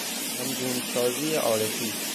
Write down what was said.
همگونسازی عارفی